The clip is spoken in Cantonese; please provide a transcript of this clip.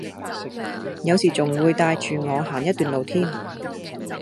有時仲會帶住我行一段路添